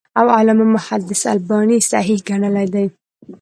او علامه محدِّث الباني صحيح ګڼلی دی .